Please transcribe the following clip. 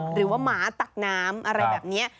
หรือว่าหมาตักน้ำอะไรแบบนี้